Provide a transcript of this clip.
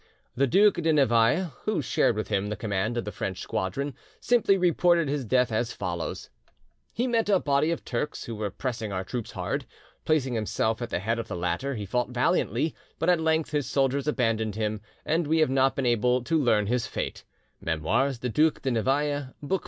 The Duc de Navailles, who shared with him the command of the French squadron, simply reported his death as follows: "He met a body of Turks who were pressing our troops hard: placing himself at the head of the latter, he fought valiantly, but at length his soldiers abandoned him, and we have not been able to learn his fate" ('Memoires du Duc de Navailles', book iv.